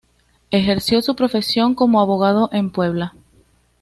Ejerció su profesión como abogado en Puebla.